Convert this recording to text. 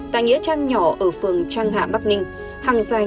tại nghĩa trang nhỏ ở phường trang hạ bắc ninh